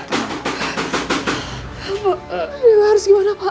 bapak dewi harus gimana pak